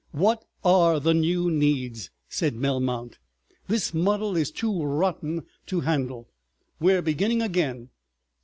"What are the new needs?" said Melmount. "This muddle is too rotten to handle. We're beginning again.